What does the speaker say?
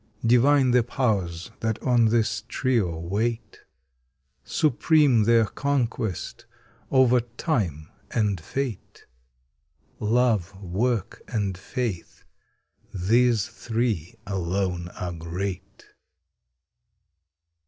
Divine the Powers that on this trio wait. Supreme their conquest, over Time and Fate. Love, Work, and Faith—these three alone are great.